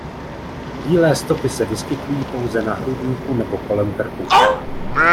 Bílé stopy se vyskytují pouze na hrudníku nebo kolem krku.